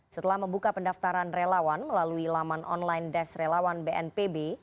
setelah membuka pendaftaran relawan melalui laman online des relawan bnpb